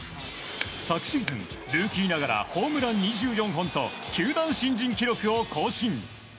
昨シーズン、ルーキーながらホームラン２４本と球団新人記録を更新。